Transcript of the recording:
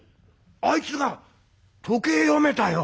あいつが時計読めたよ」